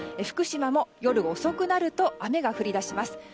福島も夜遅くなると雨が降り出します。